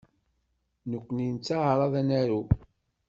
Nekni nettaεraḍ ad naru.